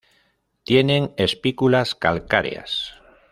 Tienen espículas calcáreas.